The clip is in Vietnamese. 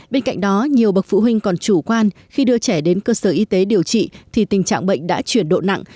bên cạnh đó nhiều bậc phụ huynh còn chủ quan khi đưa trẻ đến cơ sở y tế điều trị thì tình trạng bệnh đã chuyển độ nặng